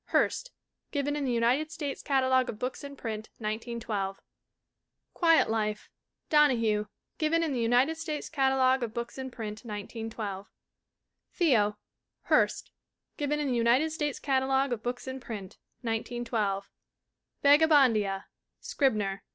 Hurst. Given in the United States Catalogue of Books in Print (1912). Quiet Life. Donohue. Given in the United States Catalogue of Books in Print (1912). Theo. Hurst. Given in the United States Catalogue of Books in Print (1912). Vagabondia. Scribner.